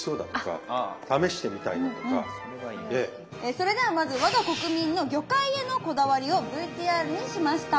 それではまず我が国民の魚介へのこだわりをＶＴＲにしました。